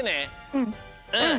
うんうん！